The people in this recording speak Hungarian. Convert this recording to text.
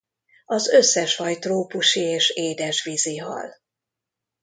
Az összes faj trópusi és édesvízi hal.